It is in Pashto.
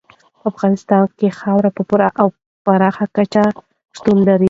په افغانستان کې خاوره په پوره او پراخه کچه شتون لري.